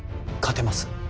勝てます